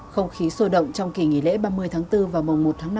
không khí sôi động trong kỳ nghỉ lễ ba mươi tháng bốn và mùng một tháng năm